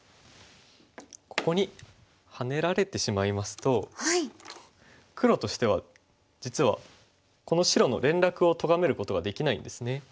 ここにハネられてしまいますと黒としては実はこの白の連絡をとがめることができないんですね。